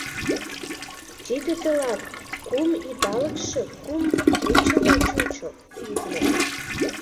Тиде тылат кум идалыкше кум кечыла чучо, витне...